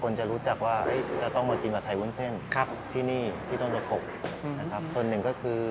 เรารู้สึกยังไงบ้าง